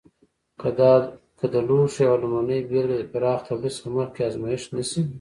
که د لوښو یوه لومړنۍ بېلګه د پراخ تولید څخه مخکې ازمېښت نه شي.